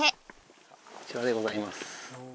こちらでございます。